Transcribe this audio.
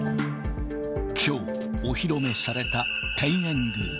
きょう、お披露目された天苑宮。